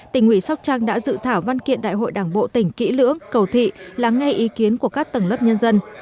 tỉnh ủy sóc trăng đã dự thảo văn kiện đại hội đảng bộ tỉnh kỹ lưỡng cầu thị lắng nghe ý kiến của các tầng lớp nhân dân